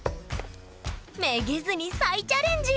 めげずに再チャレンジ！